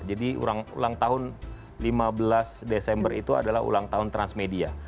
jadi ulang tahun lima belas desember itu adalah ulang tahun transmedia